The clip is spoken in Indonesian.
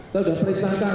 kita sudah perintahkan